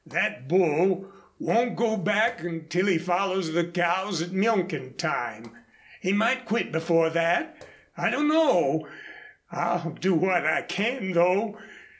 "That bull won't go back until he follows the cows at milking time. He might quit before that I dunno. I'll do what I can though."